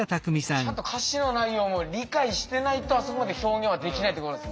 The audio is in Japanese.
ちゃんと歌詞の内容も理解してないとあそこまで表現はできないってことですもんね。